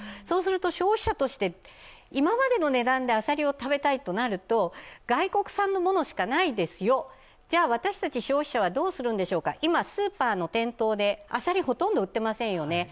そうすると消費者として今までの値段でアサリを食べたいとなると外国産のものしかないですよ、じゃあ私たち消費者はどうするんでしょうか、今、スーパーの店頭でアサリ、ほとんど売ってませんよね。